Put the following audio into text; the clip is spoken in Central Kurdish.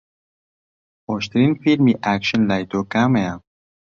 خۆشترین فیلمی ئاکشن لای تۆ کامەیە؟